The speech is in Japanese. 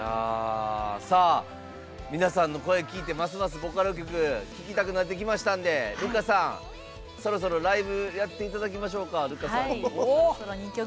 さあ皆さんの声聞いてますますボカロ曲聴きたくなってきましたんでルカさんそろそろライブやっていただきましょうかルカさんに。